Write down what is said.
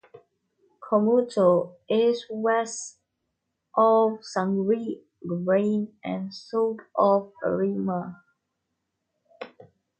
Cumuto is west of Sangre Grande and south of Arima.